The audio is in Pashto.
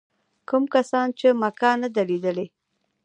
کوم کسان چې مکه نه ده لیدلې.